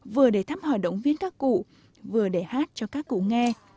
vừa để thăm hỏi động viên các cụ vừa để hát cho các cụ nghe